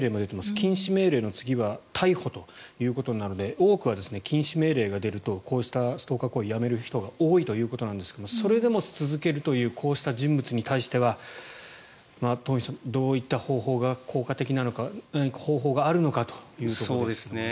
禁止命令の次は逮捕ということなので多くは禁止命令が出るとこうしたストーカー行為をやめる人が多いということなんですがそれでも続けるというこうした人物に対しては東輝さん、どういった方法が効果的なのか何か方法があるのかというところですね。